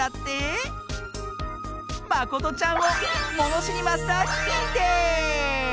まことちゃんをものしりマスターににんてい！